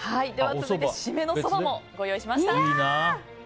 続いて締めのおそばも用意しました。